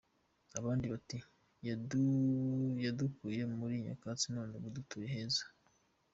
Abandi bati “Yadukuye muri nyakatsi none ubu dutuye heza.